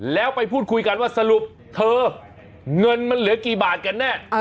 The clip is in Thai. แล้วไปพูดคุยกันว่าสรุปเธอเงินมันเหลือกี่บาทกันแน่